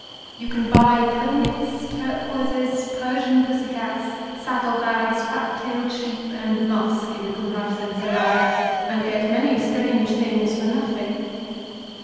You can buy ponies, turquoises, Persian pussy cats, saddle bags, fat tailed sheep and musk in the Kumharsen Serai, and get many strange things for nothing.